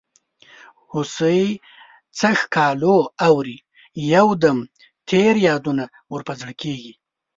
هوسۍ څه ښکالو اوري یو دم تېر یادونه ور په زړه کیږي.